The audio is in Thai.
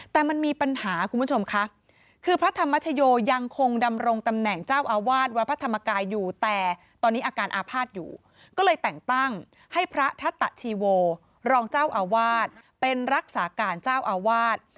แต่มันมีปัญหาคุณผู้ชมค่ะคือพระธรรมชโยยังคงดำรงตำแหน่งเจ้าอาวาสวัดพระธรรมกายอยู่แต่ตอนนี้อาการอาภาษณ์อยู่ก็เลยแต่งตั้งให้พระทัตตะชีโวรองเจ้าอาวาสเป็นรักษาการเจ้าอาวาส